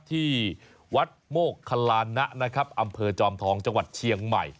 ที่วัดโมกคลานะนะครับอำเภอจอมทองจังหวัดเชียงใหม่